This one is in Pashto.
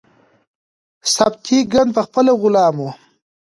سبکتیګن پخپله غلام و.